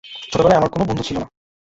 ছোটবেলায়, আমার কোন বন্ধু ছিল না।